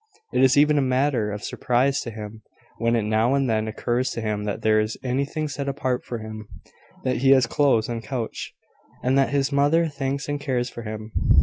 It is even a matter of surprise to him when it now and then occurs to him that there is anything set apart for him, that he has clothes and couch, and that his mother thinks and cares for him.